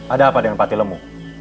ada apa dengan pati lemu